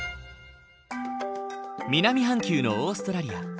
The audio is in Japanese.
南半球のオーストラリア。